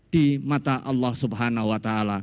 di mata allah swt